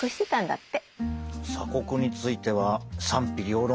鎖国については賛否両論